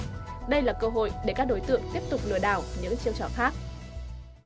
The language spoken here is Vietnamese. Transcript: đây là cơ hội để các đối tượng tiếp tục lừa đảo những chiêu trò khác